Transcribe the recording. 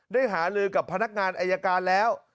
ได้หารื่นกับพนักงานอย่างการแล้ว